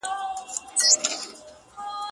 چي ته ورته دانې د عاطفې لرې که نه,